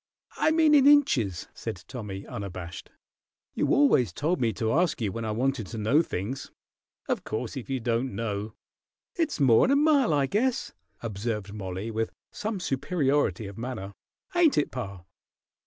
"I meant in inches," said Tommy, unabashed. "You always told me to ask you when I wanted to know things. Of course, if you don't know " "It's more'n a mile, I guess," observed Mollie, with some superiority of manner. "Ain't it, pa?"